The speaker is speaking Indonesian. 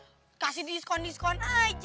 pengen pengen kasih diskon diskon aja